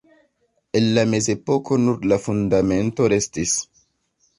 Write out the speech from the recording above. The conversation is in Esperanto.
El la mezepoko nur la fundamento restis.